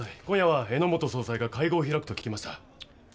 今夜は榎本総裁が会合を開くと聞きました。